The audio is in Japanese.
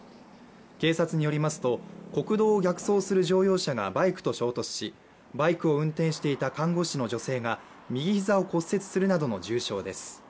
警察によりますと、国道を逆走する乗用車がバイクと衝突しバイクを運転していた看護師の女性が右膝を骨折するなどの重傷です。